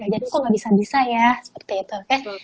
bagaimana bisa bisa ya seperti itu